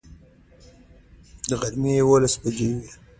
د غرمې یوولس بجې وې.